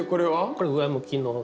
これ上向きの。